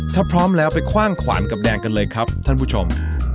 ถ้าพร้อมแล้วไปคว่างขวานกับแดงกันเลยครับท่านผู้ชม